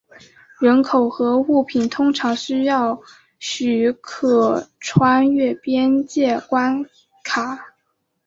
人口和物品通常需要许可穿越边界关卡。